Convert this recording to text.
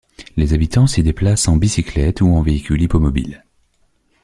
Les habitants s'y déplacent en bicyclette ou en véhicule hippomobile.